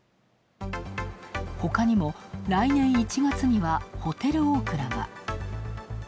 ほかにも来年１月にはホテルオークラが。